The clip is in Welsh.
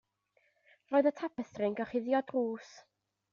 Roedd y tapestri yn gorchuddio drws.